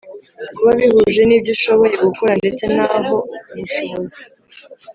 kuba bihuje n ibyo ushoboye gukora ndetse n aho ubushobozi